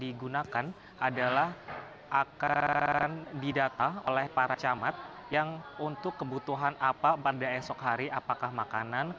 yang digunakan adalah akan didata oleh para camat yang untuk kebutuhan apa pada esok hari apakah makanan